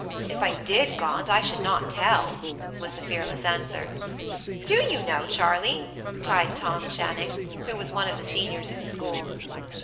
"If I did, Gaunt, I should not tell," was the fearless answer. "Do you know, Charley?" cried Tom Channing, who was one of the seniors of the school.